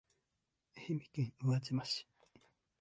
愛媛県宇和島市